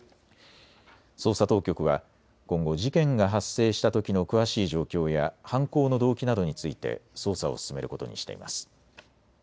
捜査当局は今後、事件が発生したときの詳しい状況や犯行の動機などについて捜査を進めることにしています。